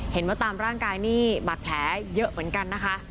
เห็นว่าตามร่างกายนี่บาดแผลเยอะเหมือนกันนะคะ